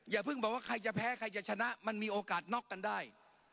อย่าเพิ่งบอกว่าใครจะแพ้ใครจะชนะมันมีโอกาสน็อกกันได้